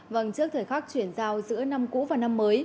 vâng trước thời khắc chuyển giao giữa năm cũ và năm mới